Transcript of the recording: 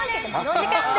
お時間です。